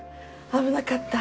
危なかった。